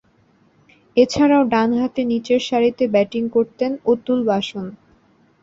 এছাড়াও, ডানহাতে নিচেরসারিতে ব্যাটিং করতেন অতুল বাসন।